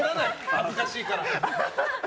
恥ずかしいから。